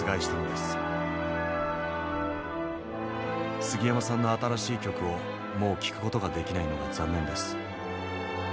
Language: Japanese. すぎやまさんの新しい曲をもう聴くことができないのが残念です。